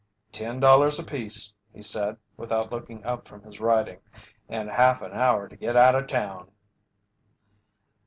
"Ten dollars apiece," he said, without looking up from his writing. "And half an hour to get out of town."